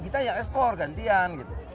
kita ekspor gantian gitu